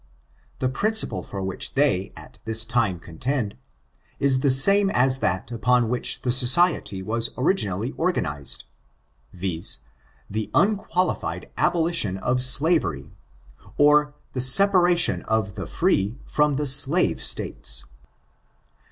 The principle for which they at Uns time contend, is the same as that upon which the society was originally organized, viz., the unqualified abolition of slavery y or the separation of the free from 'the slave States.